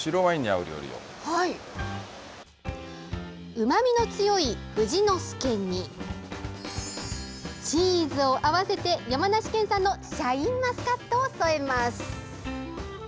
うまみの強い富士の介にチーズを合わせて山梨県産のシャインマスカットを添えます。